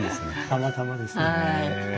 たまたまですね。